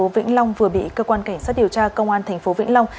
vĩnh long vừa bị cơ quan cảnh sát điều tra công an tp vĩnh long